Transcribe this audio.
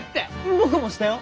僕もしたよ！